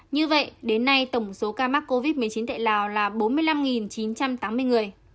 như vậy đến nay tổng số ca mắc covid một mươi chín tại lào là bốn mươi năm chín trăm tám mươi người